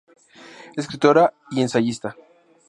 Es escritora y ensayista.